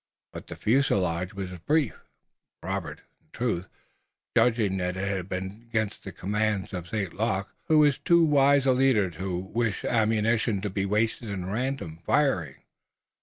But the fusillade was brief, Robert, in truth, judging that it had been against the commands of St. Luc, who was too wise a leader to wish ammunition to be wasted in random firing.